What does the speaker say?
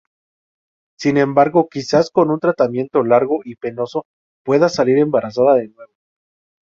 Sin embargo, quizás con un tratamiento largo y penoso, pueda salir embarazada de nuevo.